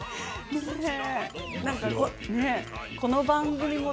この番組も